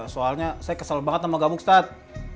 soalnya saya kesel banget sama gamuk ustadz